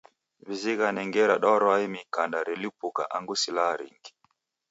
W'izighane ngera darwae mikanda relipuka angu silaha ringi.